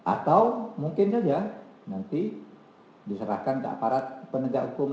atau mungkin saja nanti diserahkan ke aparat penegak hukum